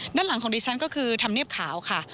ด้านหลังของดิฉันก็คือธรรมเนียบขาวค่ะ